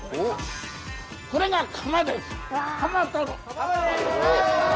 これが。